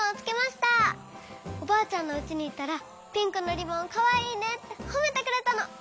おばあちゃんのうちにいったらピンクのリボンかわいいねってほめてくれたの。